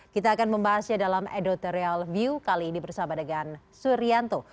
kita akan membahasnya dalam editorial view kali ini bersama dengan suryanto